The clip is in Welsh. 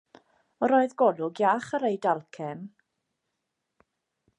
Yr oedd golwg iach ar ei dalcen.